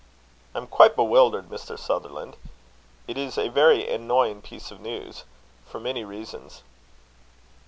"I am quite bewildered, Mr. Sutherland. It is a very annoying piece of news for many reasons."